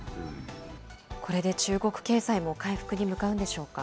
これで中国経済も回復に向かうんでしょうか。